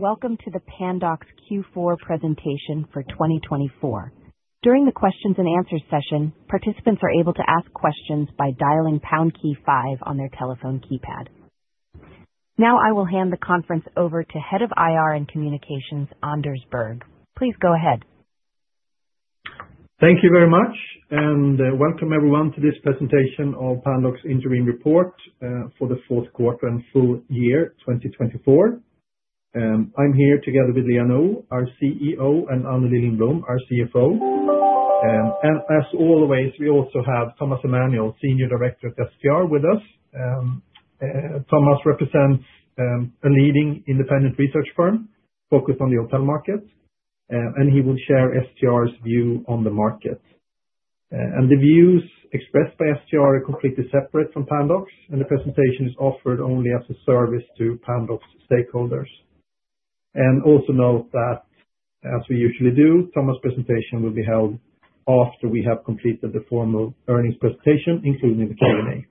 Welcome to the Pandox Q4 Presentation for 2024. During the question-and-answer session, participants are able to ask questions by dialing pound key five on their telephone keypad. Now I will hand the conference over to Head of IR and Communications, Anders Berg. Please go ahead. Thank you very much, and welcome everyone to this presentation of Pandox Interim Report for the Q4 and Full Year 2024. I'm here together with Liia Nõu, our CEO, and Anneli Lindblom, our CFO. And as always, we also have Thomas Emanuel, Senior Director of STR, with us. Thomas represents a leading independent research firm, focused on the hotel market, and he will share STR's view on the market. And the views expressed by STR are completely separate from Pandox, and the presentation is offered only as a service to Pandox's stakeholders. And also note that, as we usually do, Thomas' presentation will be held after we have completed the formal earnings presentation, including the Q&A.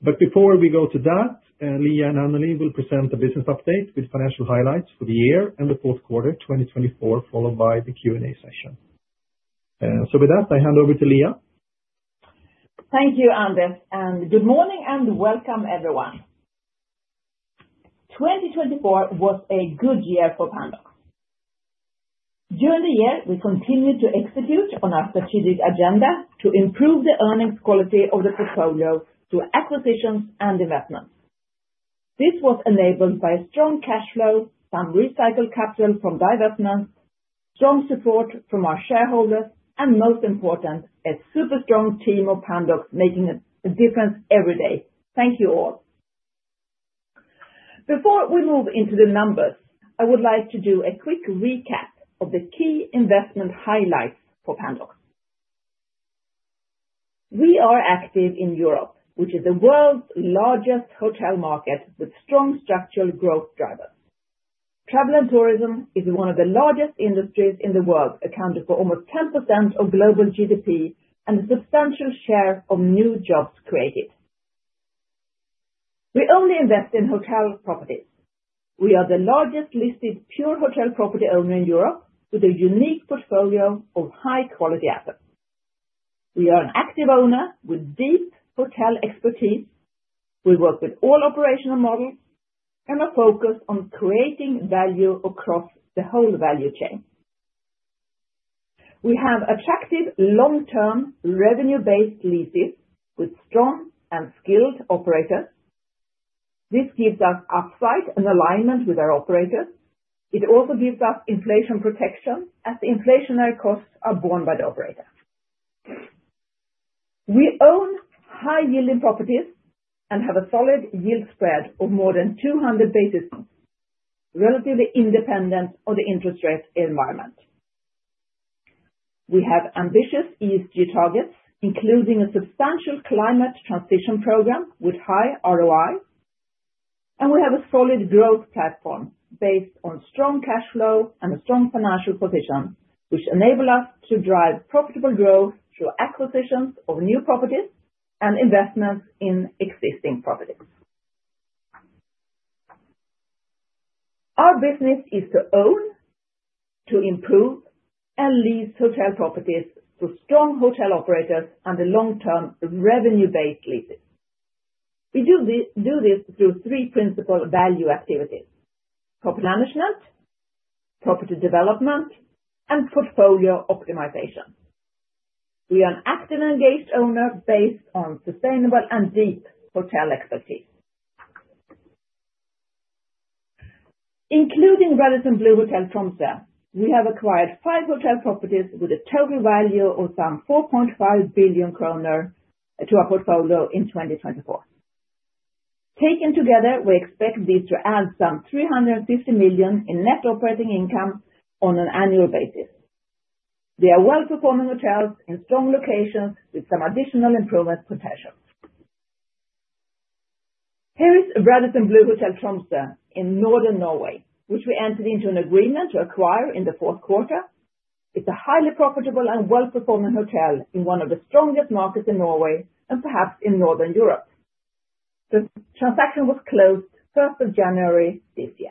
But before we go to that, Liia and Anneli will present a business update with financial highlights for the year and the Q4 2024, followed by the Q&A session. So with that, I hand over to Liia. Thank you, Anders, and good morning and welcome everyone. 2024 was a good year for Pandox. During the year, we continued to execute on our strategic agenda to improve the earnings quality of the portfolio through acquisitions and investments. This was enabled by strong cash flow, some recycled capital from divestments, strong support from our shareholders, and most importantly, a super strong team of Pandox making a difference every day. Thank you all. Before we move into the numbers, I would like to do a quick recap of the key investment highlights for Pandox. We are active in Europe, which is the world's largest hotel market with strong structural growth drivers. Travel and tourism is one of the largest industries in the world, accounting for almost 10% of global GDP and a substantial share of new jobs created. We only invest in hotel properties. We are the largest listed pure hotel property owner in Europe with a unique portfolio of high-quality assets. We are an active owner with deep hotel expertise. We work with all operational models, and we're focused on creating value across the whole value chain. We have attractive long-term revenue-based leases with strong and skilled operators. This gives us upside and alignment with our operators. It also gives us inflation protection as the inflationary costs are borne by the operators. We own high-yielding properties and have a solid yield spread of more than 200 basis points, relatively independent of the interest rate environment. We have ambitious ESG targets, including a substantial climate transition program with high ROI, and we have a solid growth platform based on strong cash flow and a strong financial position, which enable us to drive profitable growth through acquisitions of new properties and investments in existing properties. Our business is to own, to improve, and lease hotel properties through strong hotel operators and long-term revenue-based leases. We do this through three principal value activities: property management, property development, and portfolio optimization. We are an active and engaged owner based on sustainable and deep hotel expertise. Including Radisson Blu Hotel Tromsø, we have acquired five hotel properties with a total value of some 4.5 billion kronor to our portfolio in 2024. Taken together, we expect this to add some 350 million in net operating income on an annual basis. They are well-performing hotels in strong locations with some additional improvement potential. Here is Radisson Blu Hotel Tromsø in Northern Norway, which we entered into an agreement to acquire in the Q4. It's a highly profitable and well-performing hotel in one of the strongest markets in Norway and perhaps in Northern Europe. The transaction was closed on the 1 January 2025.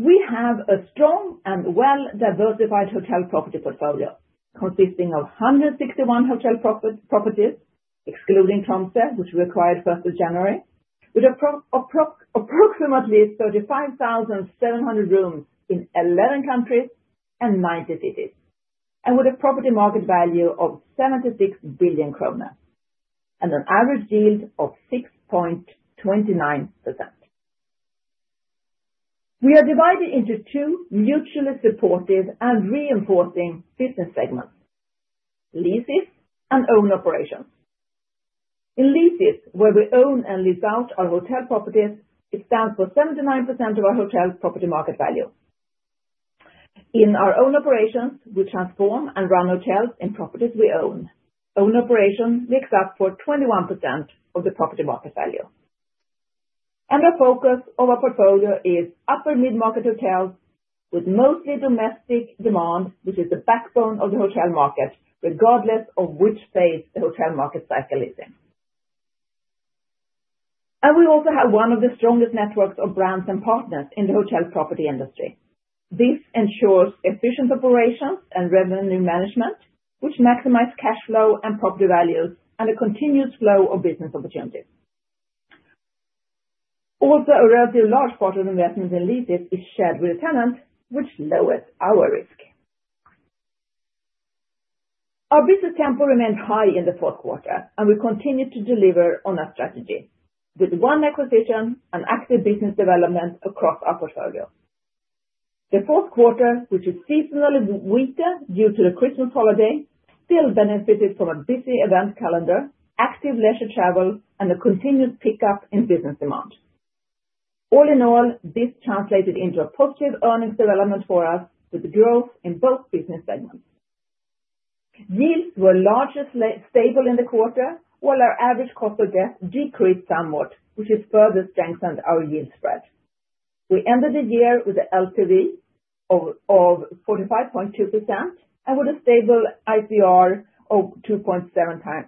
We have a strong and well-diversified hotel property portfolio consisting of 161 hotel properties, excluding Tromsø, which we acquired on the 1 January 2025, with approximately 35,700 rooms in 11 countries and 90 cities, and with a property market value of 76 billion kronor and an average yield of 6.29%. We are divided into two mutually supportive and reinforcing business segments: Leases and Own Operations. In Leases, where we own and lease out our hotel properties, it stands for 79% of our hotel property market value. In our Own Operations, we transform and run hotels in properties we own. Own Operation makes up for 21% of the property market value. Our focus of our portfolio is upper mid-market hotels with mostly domestic demand, which is the backbone of the hotel market, regardless of which phase the hotel market cycle is in. We also have one of the strongest networks of brands and partners in the hotel property industry. This ensures efficient operations and revenue management, which maximizes cash flow and property values and a continuous flow of business opportunities. Also, a relatively large part of the investment in Leases is shared with the tenant, which lowers our risk. Our business tempo remained high in the Q4, and we continued to deliver on our strategy with one acquisition and active business development across our portfolio. The Q4, which is seasonally weaker due to the Christmas holiday, still benefited from a busy event calendar, active leisure travel, and a continuous pickup in business demand. All in all, this translated into a positive earnings development for us with growth in both business segments. Yields were largely stable in the quarter, while our average cost of debt decreased somewhat, which has further strengthened our yield spread. We ended the year with an LTV of 45.2% and with a stable ICR of 2.7 times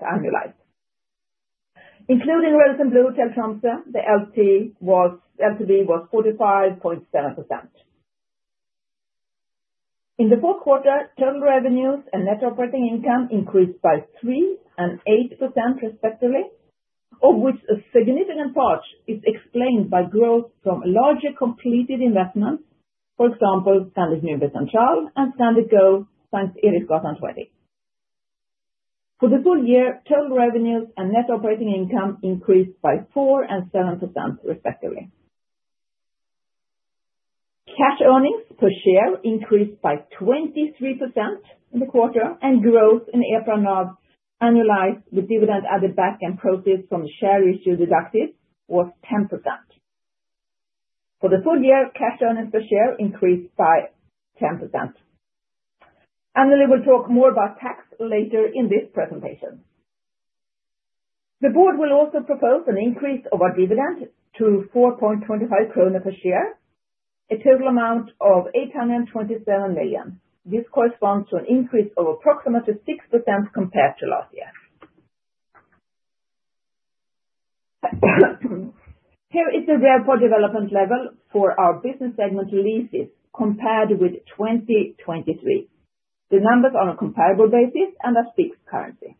annualized. Including Radisson Blu Hotel Tromsø, the LTV was 45.7%. In the Q4, total revenues and net operating income increased by 3% and 8% respectively, of which a significant part is explained by growth from larger completed investments, for example, Scandic Nürnberg Central and Scandic Go, Sankt Ericksgatan 20. For the full year, total revenues and net operating income increased by 4% and 7% respectively. Cash earnings per share increased by 23% in the quarter, and growth in the EPRA NRV annualized with dividend added back and proceeds from the share issue deducted was 10%. For the full year, cash earnings per share increased by 10%. Anneli will talk more about tax later in this presentation. The board will also propose an increase of our dividend to 4.25 krona per share, a total amount of 827 million. This corresponds to an increase of approximately 6% compared to last year. Here is the RevPAR development level for our business segment Leases compared with 2023. The numbers are on a comparable basis and are fixed currency.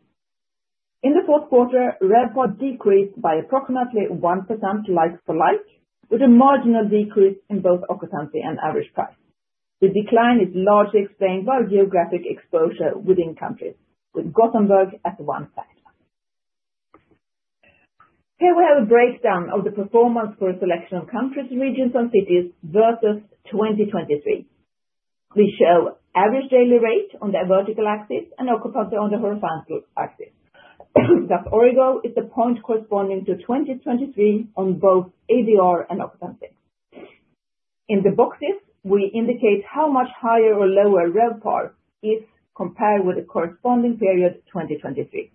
In the Q4, RevPAR decreased by approximately 1% like-for-like, with a marginal decrease in both occupancy and average price. The decline is largely explained by geographic exposure within countries, with Gothenburg as one factor. Here we have a breakdown of the performance for a selection of countries, regions, and cities versus 2023. We show average daily rate on the vertical axis and occupancy on the horizontal axis. This origo is the point corresponding to 2023 on both ADR and occupancy. In the boxes, we indicate how much higher or lower RevPAR is compared with the corresponding period 2023.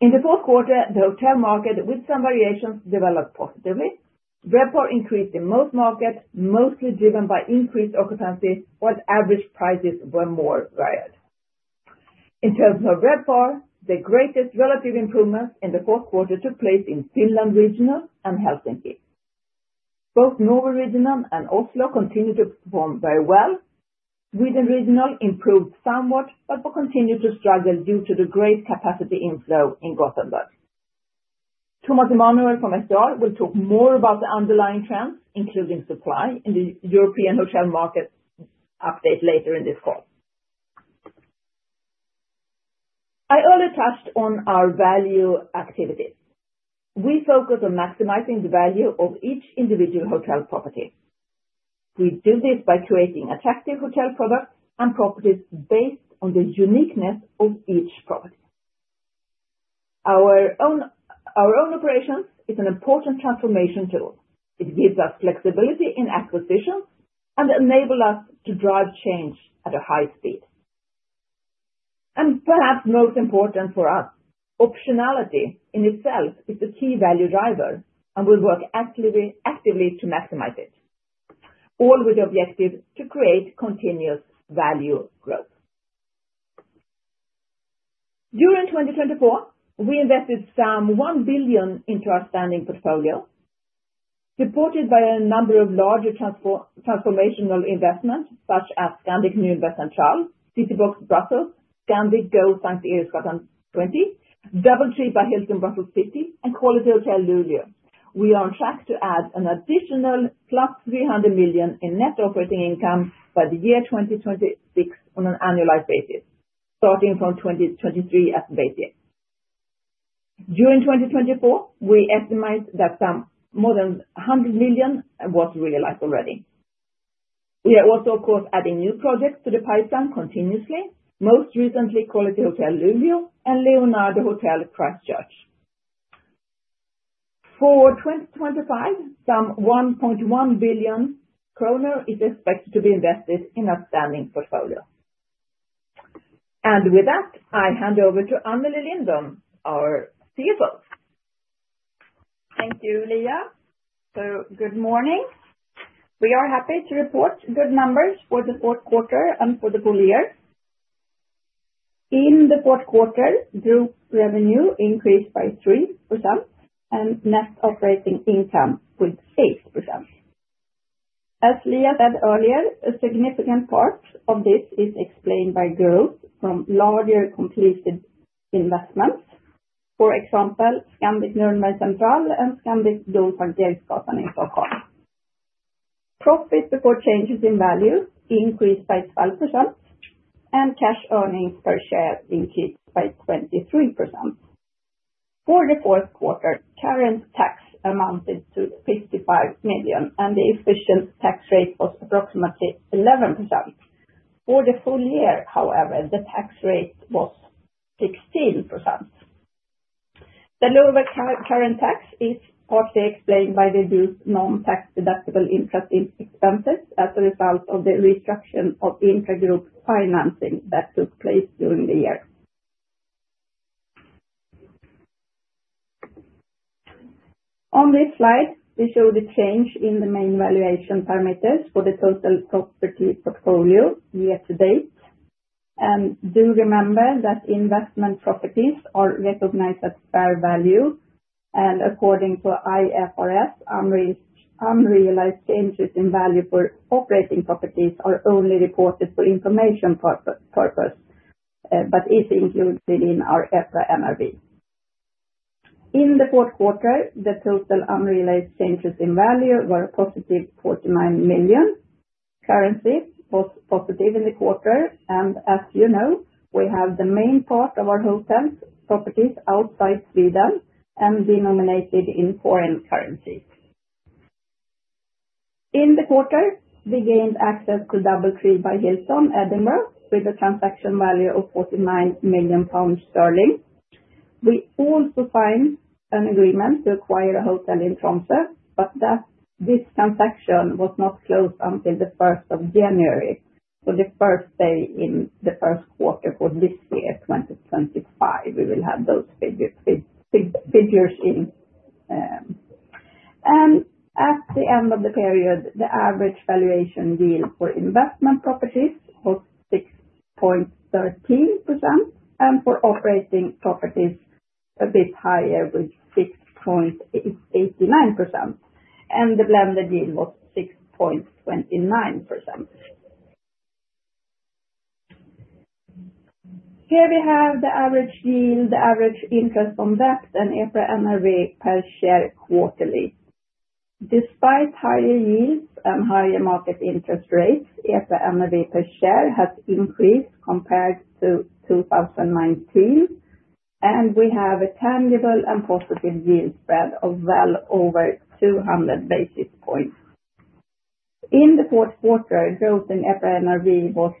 In the Q4, the hotel market, with some variations, developed positively. RevPAR increased in most markets, mostly driven by increased occupancy, while average prices were more varied. In terms of RevPAR, the greatest relative improvements in the Q4 took place in Finland regional and Helsinki. Both Norway Regional and Oslo continued to perform very well. Sweden Regional improved somewhat, but continued to struggle due to the great capacity inflow in Gothenburg. Thomas Emanuel from STR will talk more about the underlying trends, including supply in the European hotel market. Update later in this call. I already touched on our value activities. We focus on maximizing the value of each individual hotel property. We do this by creating attractive hotel products and properties based on the uniqueness of each property. Our own operations is an important transformation tool. It gives us flexibility in acquisitions and enables us to drive change at a high speed. And perhaps most important for us, optionality in itself is the key value driver, and we work actively to maximize it, all with the objective to create continuous value growth. During 2024, we invested some 1 billion into our standing portfolio, supported by a number of larger transformational investments such as Scandic Nürnberg Central, Citybox Brussels, Scandic Go, St. St. Eriksgatan 20, DoubleTree by Hilton Brussels City, and Quality Hotel Luleå. We are on track to add an additional plus 300 million in net operating income by the year 2026 on an annualized basis, starting from 2023 as the basis. During 2024, we estimate that some more than 100 million was realized already. We are also, of course, adding new projects to the pipeline continuously, most recently Quality Hotel Luleå and Leonardo Hotel Christchurch. For 2025, some 1.1 billion kronor is expected to be invested in our standing portfolio. And with that, I hand over to Anneli Lindblom, our CFO. Thank you, Liia. Good morning. We are happy to report good numbers for the Q4 and for the full year. In the Q4, group revenue increased by 3% and net operating income with 8%. As Liia said earlier, a significant part of this is explained by growth from larger completed investments, for example, Scandic Nürnberg Central and Scandic Go, St. Eriksgatan 20 in Stockholm. Profit before changes in value increased by 12%, and cash earnings per share increased by 23%. For the Q4, current tax amounted to 55 million, and the effective tax rate was approximately 11%. For the full year, however, the tax rate was 16%. The lower current tax is partly explained by the group's non-tax-deductible interest expenses as a result of the restructuring of intra-group financing that took place during the year. On this slide, we show the change in the main valuation parameters for the total property portfolio year-to-date, and do remember that investment properties are recognized at fair value, and according to IFRS, unrealized changes in value for operating properties are only reported for information purpose, but is included in our EPRA NRV. In the Q4, the total unrealized changes in value were a positive 49 million. Currency was positive in the quarter, and as you know, we have the main part of our hotel properties outside Sweden and denominated in foreign currency. In the quarter, we gained access to DoubleTree by Hilton Edinburgh with a transaction value of 49 million pounds. We also signed an agreement to acquire a hotel in Tromsø, but this transaction was not closed until the 1 January 2025, so the first day in the Q1 for this year, 2025. We will have those figures in. At the end of the period, the average valuation yield for investment properties was 6.13%, and for operating properties, a bit higher with 6.89%. The blended yield was 6.29%. Here we have the average yield, the average interest on debt, and EPRA NRV per share quarterly. Despite higher yields and higher market interest rates, EPRA NRV per share has increased compared to 2019, and we have a tangible and positive yield spread of well over 200 basis points. In the Q4, growth in EPRA NRV was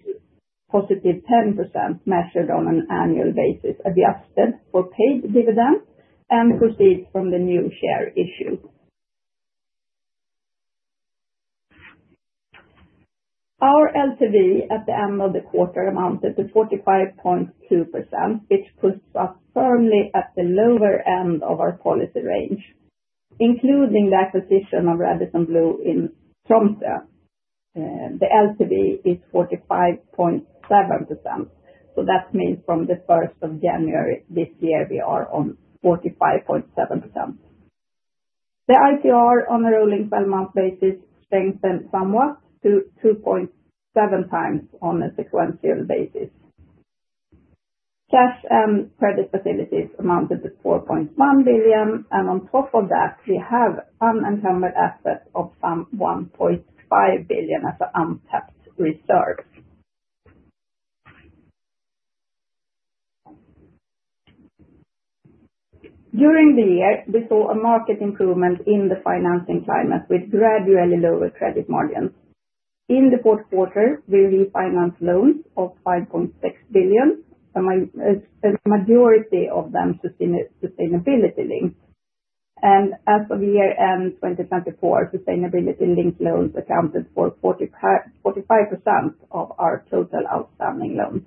positive 10%, measured on an annual basis, adjusted for paid dividends and proceeds from the new share issue. Our LTV at the end of the quarter amounted to 45.2%, which puts us firmly at the lower end of our policy range. Including the acquisition of Radisson Blu in Tromsø, the LTV is 45.7%. So that means from the 1 January 2025, we are on 45.7%. The ICR on a rolling 12-month basis strengthened somewhat to 2.7 times on a sequential basis. Cash and credit facilities amounted to 4.1 billion, and on top of that, we have unencumbered assets of some 1.5 billion as an untapped reserve. During the year, we saw a market improvement in the financing climate with gradually lower credit margins. In the Q4, we refinanced loans of 5.6 billion, a majority of them sustainability-linked. And as of year-end 2024, sustainability-linked loans accounted for 45% of our total outstanding loans.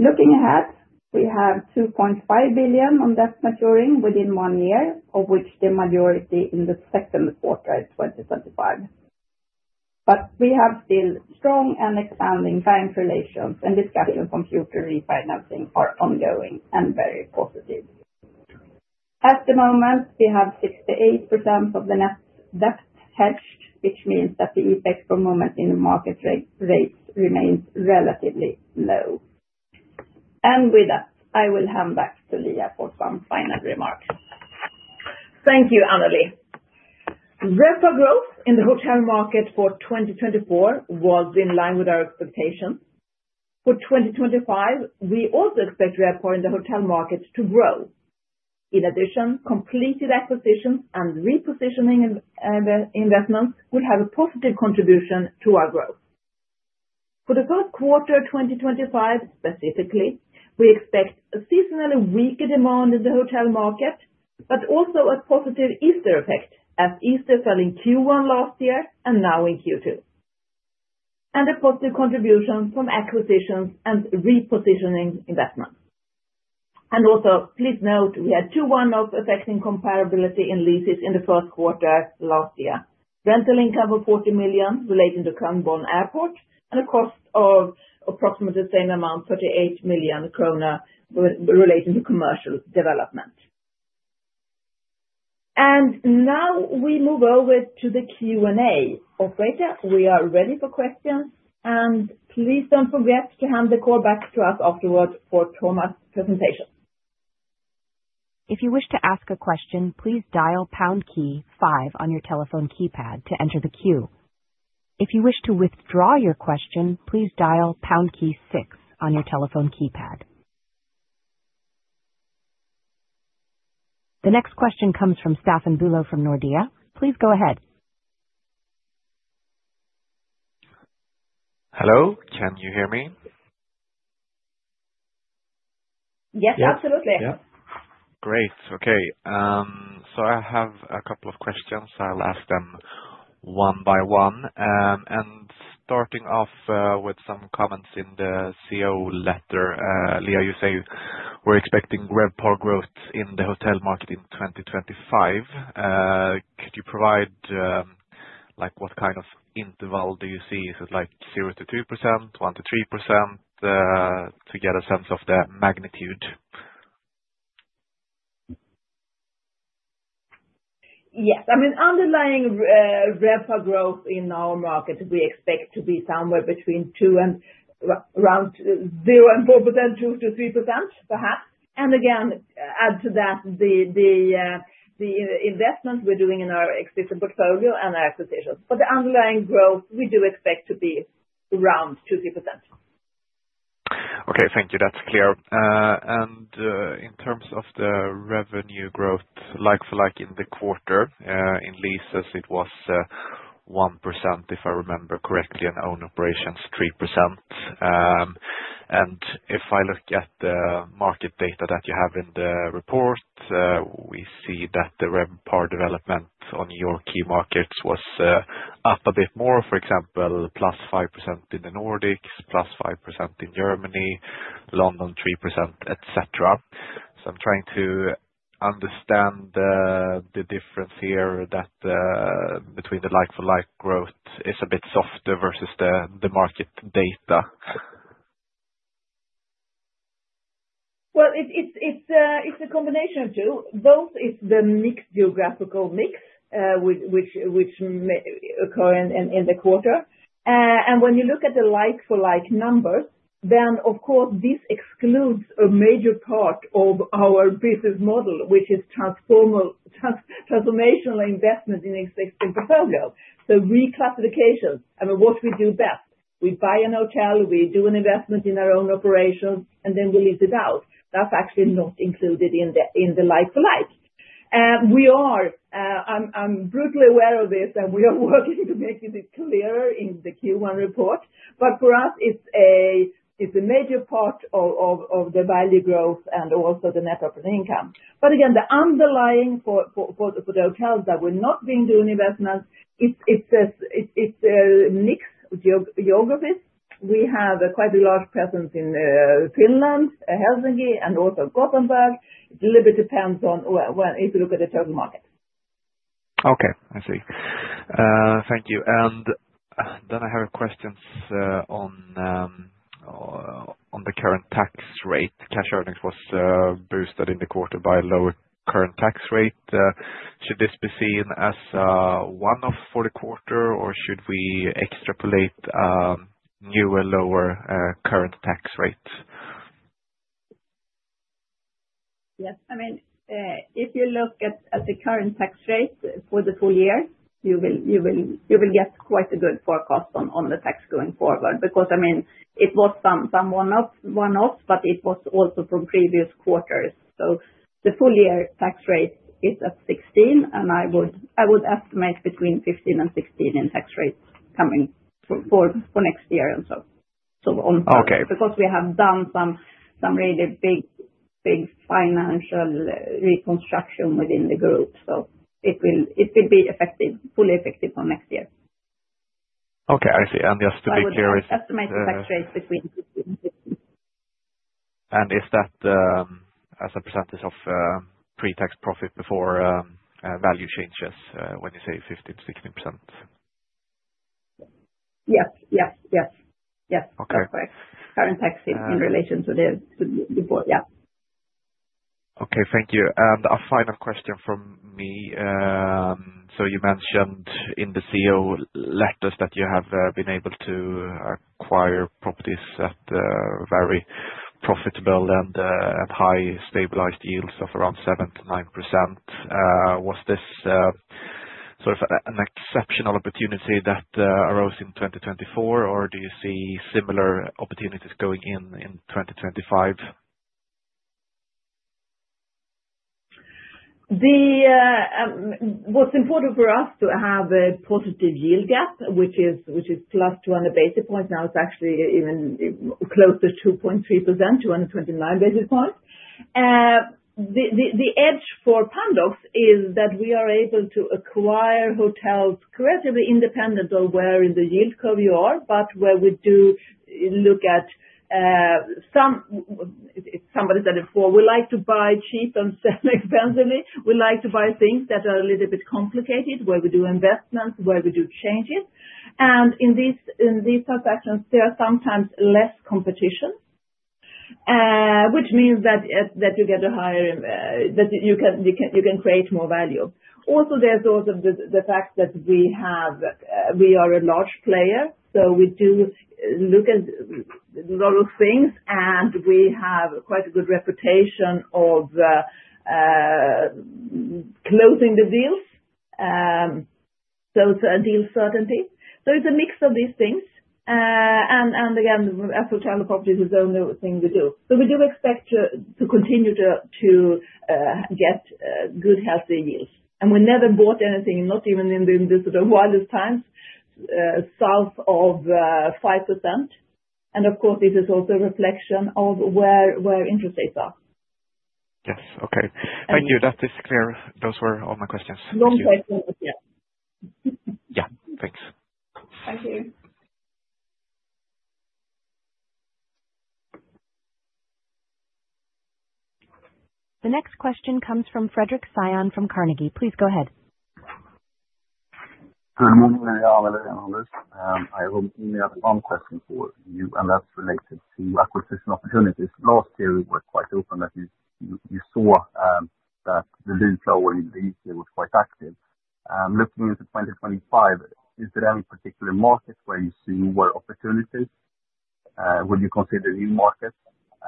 Looking ahead, we have 2.5 billion on debt maturing within one year, of which the majority in the Q2 of 2025. But we have still strong and expanding bank relations, and discussions on future refinancing are ongoing and very positive. At the moment, we have 68% of the net debt hedged, which means that the effect for the moment in the market rates remains relatively low, and with that, I will hand back to Liia for some final remarks. Thank you, Anneli. RevPAR growth in the hotel market for 2024 was in line with our expectations. For 2025, we also expect RevPAR in the hotel market to grow. In addition, completed acquisitions and repositioning investments would have a positive contribution to our growth. For the Q1 of 2025 specifically, we expect a seasonally weaker demand in the hotel market, but also a positive Easter effect, as Easter fell in Q1 last year and now in Q2, and a positive contribution from acquisitions and repositioning investments. Also, please note, we had two one-off affecting comparability in leases in the Q1 last year. Rental income of 40 million relating to Kronborg Airport and a cost of approximately the same amount, 38 million kronor, relating to commercial development. Now we move over to the Q&A. Operator, we are ready for questions, and please don't forget to hand the call back to us afterwards for Thomas' presentation. If you wish to ask a question, please dial pound key five on your telephone keypad to enter the queue. If you wish to withdraw your question, please dial pound key six on your telephone keypad. The next question comes from Staffan Bülow from Nordea. Please go ahead. Hello, can you hear me? Yes, absolutely. Yeah, yeah. Great. Okay. So I have a couple of questions. I'll ask them one by one. And starting off with some comments in the CEO letter, Liia, you say we're expecting RevPAR growth in the hotel market in 2025. Could you provide what kind of interval do you see? Is it like 0% to 2%, 1% to 3%, to get a sense of the magnitude? Yes. I mean, underlying RevPAR growth in our market, we expect to be somewhere between around 0% and 4%, 2% to 3%, perhaps. And again, add to that the investments we're doing in our existing portfolio and our acquisitions. But the underlying growth, we do expect to be around 2% to 3%. Okay, thank you. That's clear. And in terms of the revenue growth, like-for-like in the quarter, in leases, it was 1%, if I remember correctly, and own operations 3%. And if I look at the market data that you have in the report, we see that the RevPAR development on your key markets was up a bit more, for example, plus 5% in the Nordics, plus 5% in Germany, London 3%, et cetera. So, I'm trying to understand the difference here that between the like-for-like growth is a bit softer versus the market data. It's a combination of two. Both is the mixed geographical mix, which occur in the quarter, and when you look at the like-for-like numbers, then, of course, this excludes a major part of our business model, which is transformational investment in existing portfolio. So, reclassification, I mean, what we do best, we buy an hotel, we do an investment in our own operations, and then we lease it out. That's actually not included in the like-for-like. I'm brutally aware of this, and we are working to make this clearer in the Q1 report. But for us, it's a major part of the value growth and also the net operating income, but again, the underlying for the hotels that we're not being doing investments, it's a mixed geography. We have quite a large presence in Finland, Helsinki, and also Gothenburg. It a little bit depends on if you look at the total market. Okay, I see. Thank you, and then I have questions on the current tax rate. Cash earnings was boosted in the quarter by a lower current tax rate. Should this be seen as one-off for the quarter, or should we extrapolate newer lower current tax rates? Yes. I mean, if you look at the current tax rate for the full year, you will get quite a good forecast on the tax going forward because, I mean, it was some one-off, but it was also from previous quarters. So the full year tax rate is at 16%, and I would estimate between 15% and 16% in tax rates coming for next year and so on further— Okay. Because we have done some really big financial reconstruction within the group, so it will be fully effective from next year. Okay, I see. And just to be clear. So we estimate the tax rates between. Is that as a percentage of pre-tax profit before value changes when you say 15%-16%? Yes, yes, yes. Yes, that's correct. Current tax in relation to the board, yeah. Okay, thank you, and a final question from me, so you mentioned in the CO letters that you have been able to acquire properties at very profitable and high stabilized yields of around 7% to 9%. Was this sort of an exceptional opportunity that arose in 2024, or do you see similar opportunities going on in 2025? What's important for us to have a positive yield gap, which is plus 200 basis points. Now it's actually even closer to 2.3%, 229 basis points. The edge for Pandox is that we are able to acquire hotels creatively independent of where in the yield curve you are, but where we do look at some, if somebody said it before, we like to buy cheap and sell expensively. We like to buy things that are a little bit complicated, where we do investments, where we do changes. And in these transactions, there are sometimes less competition, which means that you get a higher that you can create more value. Also, there's also the fact that we are a large player, so we do look at a lot of things, and we have quite a good reputation of closing the deals, those deal certainties. So. it's a mix of these things. Again, as for travel properties, it's the only thing we do. We do expect to continue to get good, healthy yields. We never bought anything, not even in the wildest times, south of 5%. Of course, this is also a reflection of where interest rates are. Yes. Okay. Thank you. That is clear. Those were all my questions. Long questions, yeah. Yeah. Thanks. Thank you. The next question comes from Fredric Cyon from Carnegie. Please go ahead. Good morning, Liia Nõu, Anneli. I have only one question for you, and that's related to acquisition opportunities. Last year, we were quite open that you saw that the deal flow in the Lease was quite active. Looking into 2025, is there any particular market where you see more opportunities? Would you consider new markets?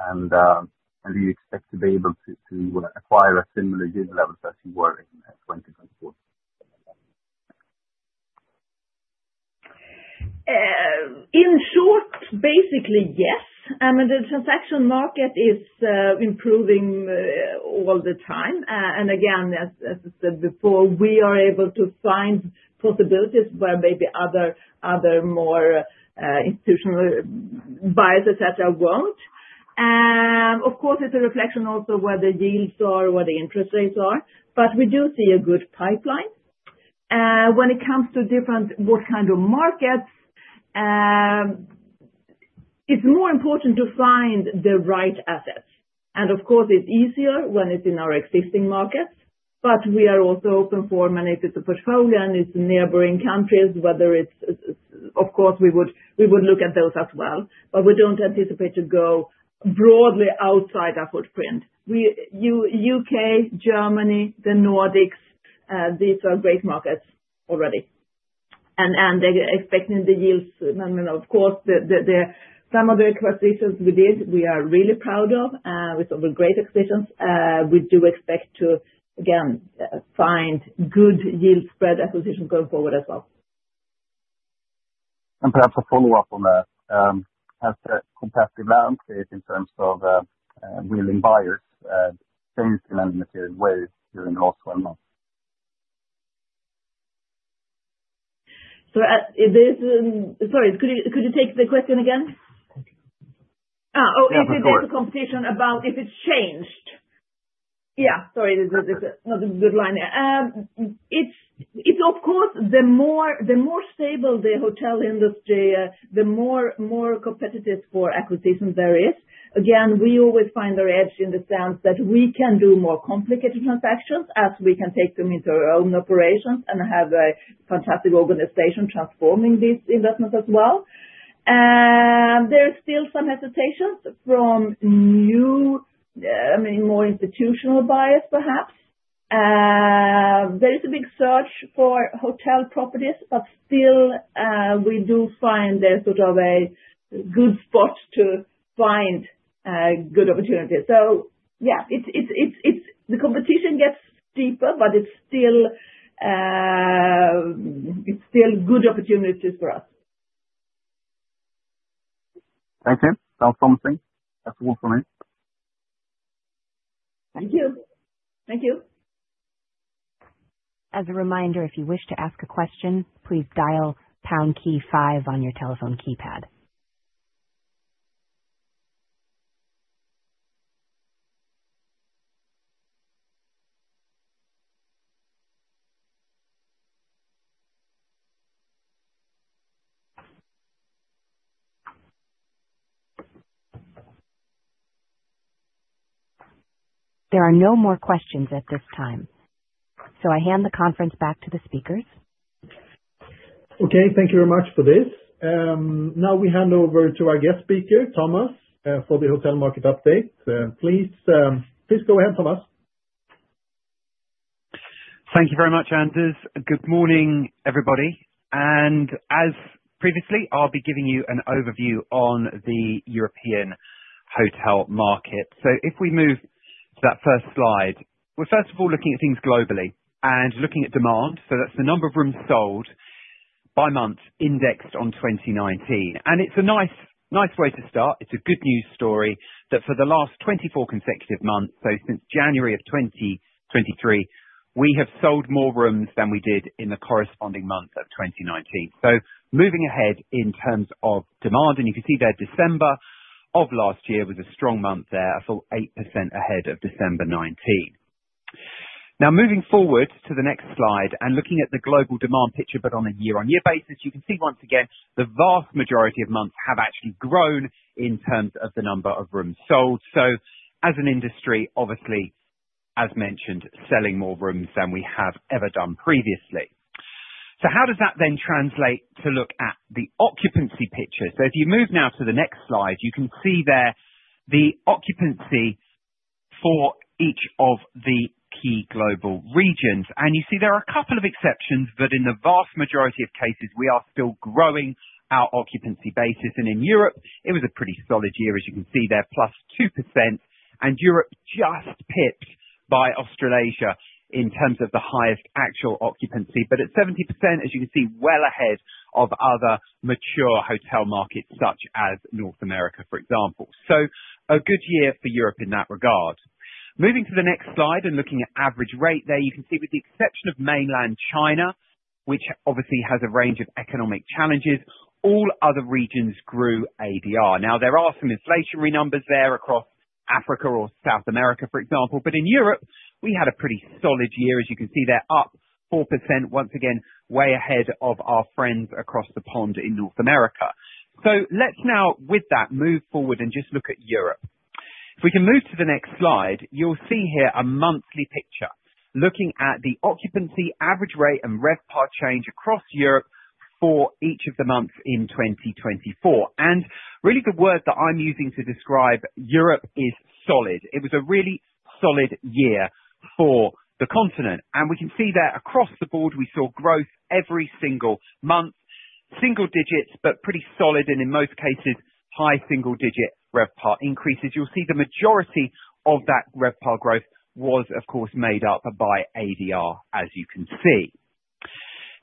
And do you expect to be able to acquire similar yield levels as you were in 2024? In short, basically, yes. M&A transaction market is improving all the time, and again, as I said before, we are able to find possibilities where maybe other more institutional buyers, et cetera, won't. Of course, it's a reflection also of where the yields are, where the interest rates are. But we do see a good pipeline. When it comes to different what kind of markets, it's more important to find the right assets. And of course, it's easier when it's in our existing markets, but we are also open for many different portfolios in neighboring countries, whether it's of course, we would look at those as well. But we don't anticipate to go broadly outside our footprint. U.K., Germany, the Nordics, these are great markets already, and expecting the yields, I mean, of course, some of the acquisitions we did, we are really proud of. We saw great acquisitions. We do expect to, again, find good yield spread acquisitions going forward as well. And perhaps a follow-up on that. Has the competitive landscape in terms of willing buyers changed in any material way during the last 12 months? Sorry, could you take the question again? Oh, if it's a competition about if it's changed. Yeah, sorry, not a good line there. It's, of course, the more stable the hotel industry, the more competitive for acquisitions there is. Again, we always find our edge in the sense that we can do more complicated transactions as we can take them into our own operations and have a fantastic organization transforming these investments as well. There's still some hesitations from new, I mean, more institutional buyers, perhaps. There is a big search for hotel properties, but still, we do find there's sort of a good spot to find good opportunities. So yeah, the competition gets deeper, but it's still good opportunities for us. Thank you. Sounds promising. That's all from me. Thank you. Thank you. As a reminder, if you wish to ask a question, please dial pound key five on your telephone keypad. There are no more questions at this time, so I hand the conference back to the speakers. Okay, thank you very much for this. Now we hand over to our guest speaker, Thomas, for the hotel market update. Please go ahead, Thomas. Thank you very much, Anders. Good morning, everybody. As previously, I'll be giving you an overview on the European hotel market. If we move to that first slide, we're first of all looking at things globally and looking at demand. That's the number of rooms sold by month indexed on 2019. And it's a nice way to start. It's a good news story that for the last 24 consecutive months, so since January of 2023, we have sold more rooms than we did in the corresponding month of 2019. Moving ahead in terms of demand, and you can see that December of last year was a strong month there, a full 8% ahead of December 2019. Now moving forward to the next slide and looking at the global demand picture, but on a year-on-year basis, you can see once again the vast majority of months have actually grown in terms of the number of rooms sold. So as an industry, obviously, as mentioned, selling more rooms than we have ever done previously. So how does that then translate to look at the occupancy picture? So if you move now to the next slide, you can see there the occupancy for each of the key global regions. And you see there are a couple of exceptions, but in the vast majority of cases, we are still growing our occupancy basis. And in Europe, it was a pretty solid year, as you can see there, plus 2%. Europe just pipped by Australasia in terms of the highest actual occupancy, but at 70%, as you can see, well ahead of other mature hotel markets such as North America, for example. A good year for Europe in that regard. Moving to the next slide and looking at average rate there, you can see with the exception of Mainland China, which obviously has a range of economic challenges, all other regions grew ADR. Now, there are some inflationary numbers there across Africa or South America, for example, but in Europe, we had a pretty solid year, as you can see there, up 4%, once again, way ahead of our friends across the pond in North America. Let's now, with that, move forward and just look at Europe. If we can move to the next slide, you'll see here a monthly picture looking at the occupancy, average rate, and RevPAR change across Europe for each of the months in 2024, and really, the word that I'm using to describe Europe is solid. It was a really solid year for the continent, and we can see that across the board, we saw growth every single month, single digits, but pretty solid, and in most cases, high single-digit RevPAR increases. You'll see the majority of that RevPAR growth was, of course, made up by ADR, as you can see.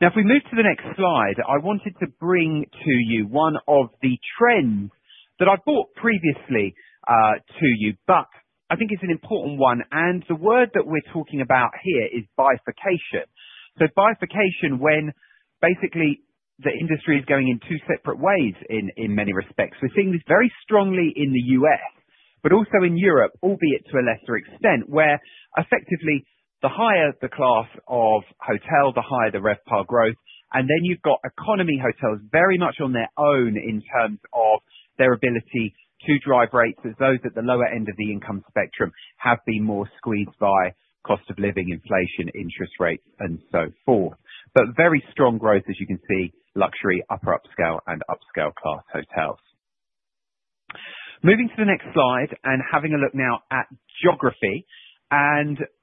Now, if we move to the next slide, I wanted to bring to you one of the trends that I brought previously to you, but I think it's an important one, and the word that we're talking about here is bifurcation. Bifurcation when basically the industry is going in two separate ways in many respects. We're seeing this very strongly in the U.S., but also in Europe, albeit to a lesser extent, where effectively the higher the class of hotel, the higher the RevPAR growth. Then you've got economy hotels very much on their own in terms of their ability to drive rates as those at the lower end of the income spectrum have been more squeezed by cost of living, inflation, interest rates, and so forth. Very strong growth, as you can see, luxury, upper upscale, and upscale class hotels. Moving to the next slide and having a look now at geography.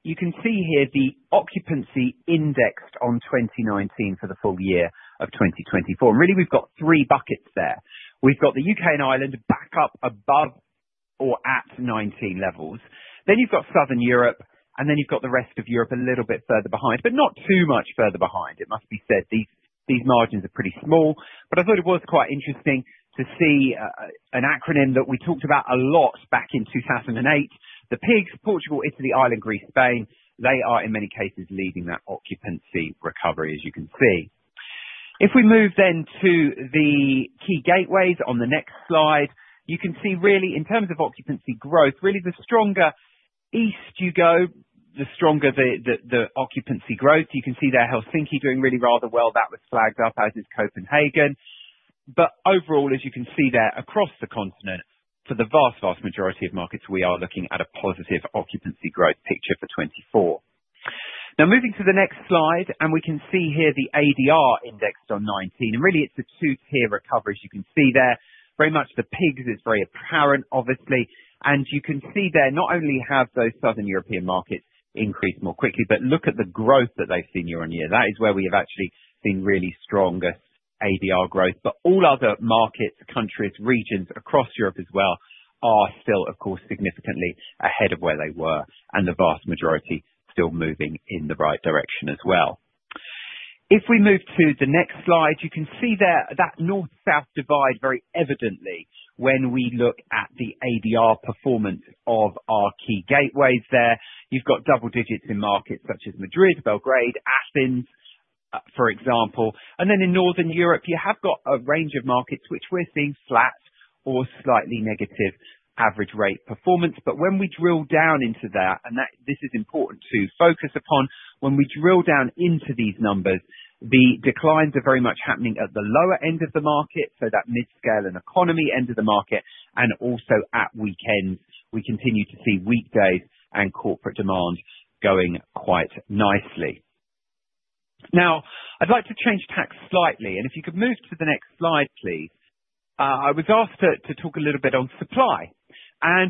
You can see here the occupancy indexed on 2019 for the full year of 2024. Really, we've got three buckets there. We've got the U.K. and Ireland back up above or at 19 levels. Then you've got Southern Europe, and then you've got the rest of Europe a little bit further behind, but not too much further behind. It must be said these margins are pretty small, but I thought it was quite interesting to see an acronym that we talked about a lot back in 2008, the PIIGS: Portugal, Italy, Ireland, Greece, Spain. They are in many cases leading that occupancy recovery, as you can see. If we move then to the key gateways on the next slide, you can see really in terms of occupancy growth, really the stronger east you go, the stronger the occupancy growth. You can see there Helsinki doing really rather well. That was flagged up as is Copenhagen. But overall, as you can see there across the continent, for the vast, vast majority of markets, we are looking at a positive occupancy growth picture for 2024. Now, moving to the next slide, and we can see here the ADR indexed on 2019. And really, it's a two-tier recovery, as you can see there. Very much the PIIGS is very apparent, obviously. And you can see there not only have those Southern European markets increased more quickly, but look at the growth that they've seen year on year. That is where we have actually seen really strong ADR growth. But all other markets, countries, regions across Europe as well are still, of course, significantly ahead of where they were, and the vast majority still moving in the right direction as well. If we move to the next slide, you can see there that north-south divide very evidently when we look at the ADR performance of our key gateways there. You've got double digits in markets such as Madrid, Belgrade, Athens, for example. And then in Northern Europe, you have got a range of markets which we're seeing flat or slightly negative average rate performance. But when we drill down into that, and this is important to focus upon, when we drill down into these numbers, the declines are very much happening at the lower end of the market, so that mid-scale and economy end of the market, and also at weekends, we continue to see weekdays and corporate demand going quite nicely. Now, I'd like to change tack slightly, and if you could move to the next slide, please. I was asked to talk a little bit on supply.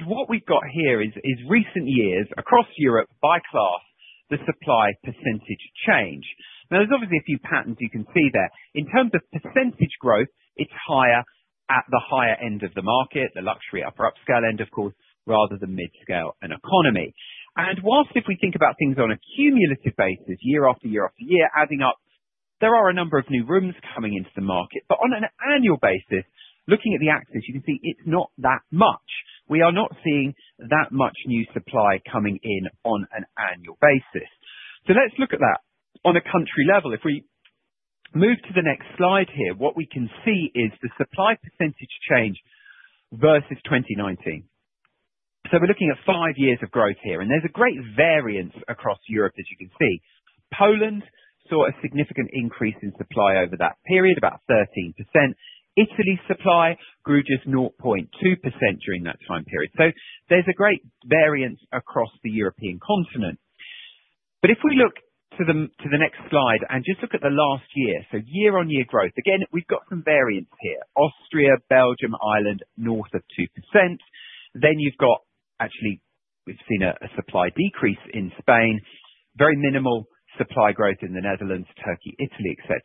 What we've got here is recent years across Europe by class, the supply percentage change. Now, there's obviously a few patterns you can see there. In terms of percentage growth, it's higher at the higher end of the market, the luxury upper upscale end, of course, rather than mid-scale and economy. And while if we think about things on a cumulative basis, year after year after year, adding up, there are a number of new rooms coming into the market. But on an annual basis, looking at the axis, you can see it's not that much. We are not seeing that much new supply coming in on an annual basis. So let's look at that on a country level. If we move to the next slide here, what we can see is the supply percentage change versus 2019. So we're looking at five years of growth here, and there's a great variance across Europe, as you can see. Poland saw a significant increase in supply over that period, about 13%. Italy's supply grew just 0.2% during that time period. So there's a great variance across the European continent. But if we look to the next slide and just look at the last year, so year-on-year growth, again, we've got some variance here. Austria, Belgium, Ireland, north of 2%. Then you've got actually we've seen a supply decrease in Spain, very minimal supply growth in the Netherlands, Turkey, Italy, etc.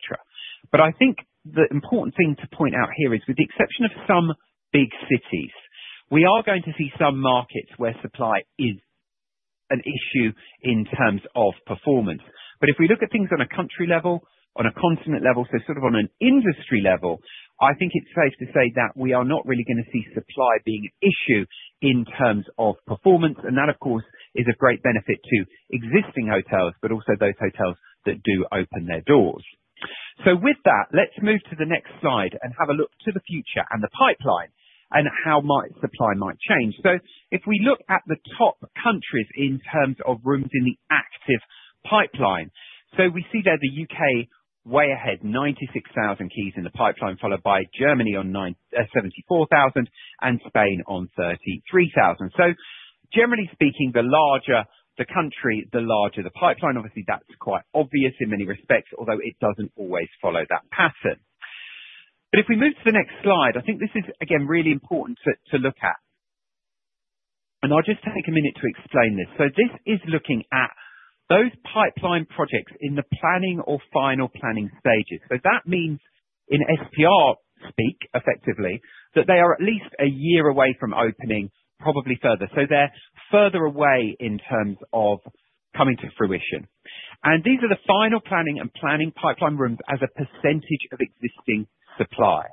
But I think the important thing to point out here is, with the exception of some big cities, we are going to see some markets where supply is an issue in terms of performance. But if we look at things on a country level, on a continent level, so sort of on an industry level, I think it's safe to say that we are not really going to see supply being an issue in terms of performance. And that, of course, is a great benefit to existing hotels, but also those hotels that do open their doors. So with that, let's move to the next slide and have a look to the future and the pipeline and how supply might change. So if we look at the top countries in terms of rooms in the active pipeline, so we see there the U.K. way ahead, 96,000 keys in the pipeline, followed by Germany on 74,000, and Spain on 33,000. So, generally speaking, the larger the country, the larger the pipeline. Obviously, that's quite obvious in many respects, although it doesn't always follow that pattern. But if we move to the next slide, I think this is, again, really important to look at. And I'll just take a minute to explain this. So this is looking at those pipeline projects in the planning or final planning stages. So that means in STR speak effectively that they are at least a year away from opening, probably further. So they're further away in terms of coming to fruition. And these are the final planning and planning pipeline rooms as a percentage of existing supply.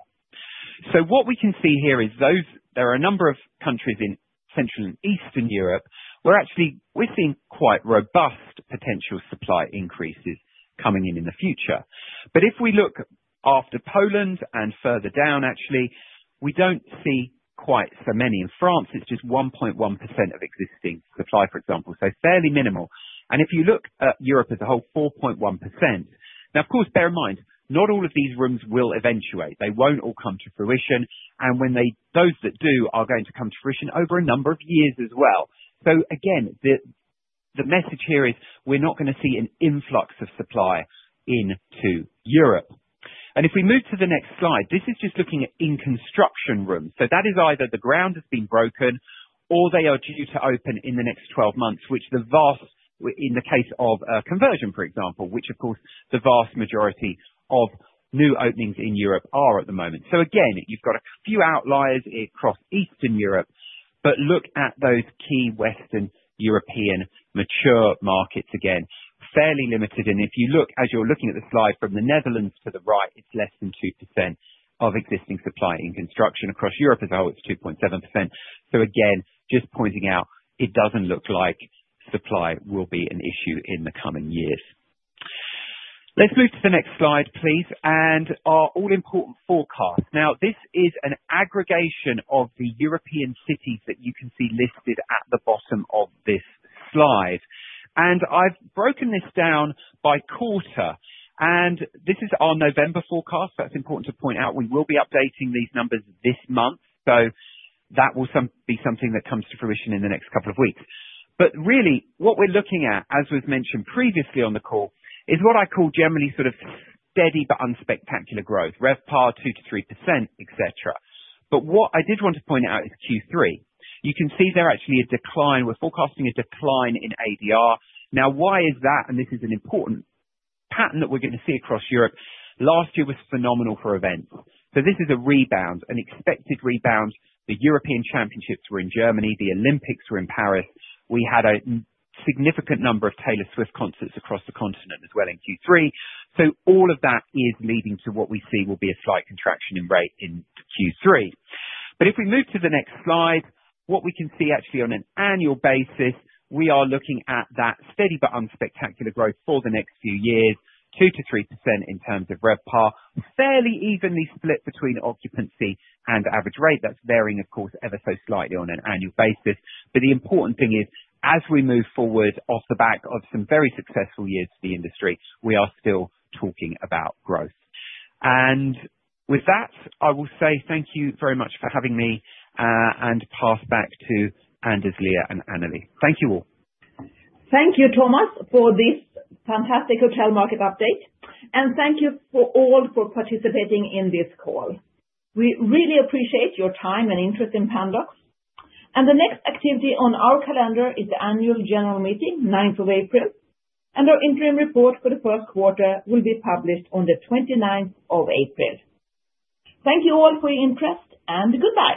So what we can see here is there are a number of countries in Central and Eastern Europe where actually we're seeing quite robust potential supply increases coming in in the future. But if we look after Poland and further down, actually, we don't see quite so many. In France, it's just 1.1% of existing supply, for example, so fairly minimal. If you look at Europe as a whole, 4.1%. Now, of course, bear in mind, not all of these rooms will eventuate. They won't all come to fruition. And when those that do are going to come to fruition over a number of years as well. So again, the message here is we're not going to see an influx of supply into Europe. And if we move to the next slide, this is just looking at in-construction rooms. So that is either the ground has been broken or they are due to open in the next 12 months, which the vast—in the case of conversion, for example, which of course the vast majority of new openings in Europe are at the moment. So again, you've got a few outliers across Eastern Europe, but look at those key Western European mature markets again, fairly limited. If you look, as you're looking at the slide from the Netherlands to the right, it's less than 2% of existing supply in construction. Across Europe as well, it's 2.7%. So again, just pointing out, it doesn't look like supply will be an issue in the coming years. Let's move to the next slide, please, and our all-important forecast. Now, this is an aggregation of the European cities that you can see listed at the bottom of this slide. I've broken this down by quarter. This is our November forecast. That's important to point out. We will be updating these numbers this month. That will be something that comes to fruition in the next couple of weeks. But really, what we're looking at, as was mentioned previously on the call, is what I call generally sort of steady but unspectacular growth, RevPAR 2% to 3%, et cetera. But what I did want to point out is Q3. You can see there actually a decline. We're forecasting a decline in ADR. Now, why is that? And this is an important pattern that we're going to see across Europe. Last year was phenomenal for events. So. this is a rebound, an expected rebound. The European Championships were in Germany. The Olympics were in Paris. We had a significant number of Taylor Swift concerts across the continent as well in Q3. So, all of that is leading to what we see will be a slight contraction in rate in Q3. But if we move to the next slide, what we can see actually on an annual basis, we are looking at that steady but unspectacular growth for the next few years, 2% to 3% in terms of RevPAR, fairly evenly split between occupancy and average rate. That's varying, of course, ever so slightly on an annual basis. But the important thing is, as we move forward off the back of some very successful years for the industry, we are still talking about growth. And with that, I will say thank you very much for having me and pass back to Anders, Liia, and Anneli. Thank you all. Thank you, Thomas, for this fantastic hotel market update. And thank you all for participating in this call. We really appreciate your time and interest in Pandox. The next activity on our calendar is the annual general meeting, 9 April 2025. Our interim report for the Q1 will be published on the 29 April. Thank you all for your interest and goodbye.